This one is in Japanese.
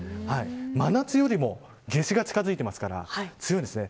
真夏よりも夏至が近づいてますから強いですね。